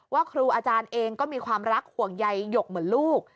ครูอาจารย์เองก็มีความรักห่วงใยหยกเหมือนลูก